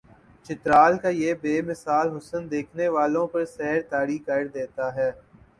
چترال کا یہ بے مثال حسن دیکھنے والوں پر سحر طاری کردیتا ہے